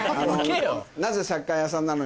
なぜサッカー屋さんなのに。